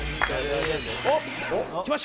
おっきました！